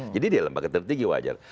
jadi dia lembaga tertinggi wajar